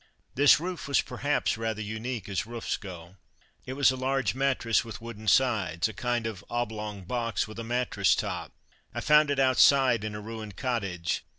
This roof was perhaps rather unique as roofs go. It was a large mattress with wooden sides, a kind of oblong box with a mattress top. I found it outside in a ruined cottage.